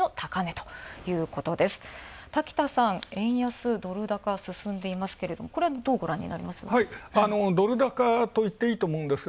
滝田さん、円安ドル高進んでますが、これはどうご覧になりますか。